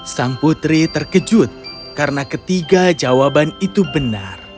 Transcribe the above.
sang putri terkejut karena ketiga jawaban itu benar